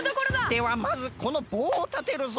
ではまずこのぼうをたてるぞ。